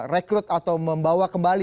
rekrut atau membawa kembali